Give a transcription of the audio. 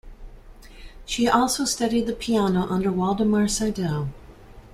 She also studied the piano under Waldemar Seidel.